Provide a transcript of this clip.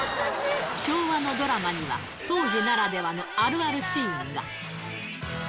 昭和のドラマには、当時ならではのあるあるシーンが。